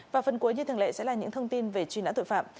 và phần cuối như thường lệ sẽ là những thông tin về truy nã tội phạm